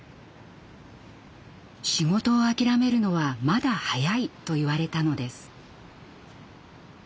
「仕事を諦めるのはまだ早い」と言われたのです。